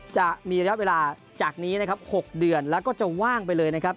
จะมีระยะเวลาจากนี้นะครับ๖เดือนแล้วก็จะว่างไปเลยนะครับ